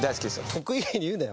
得意げに言うなよ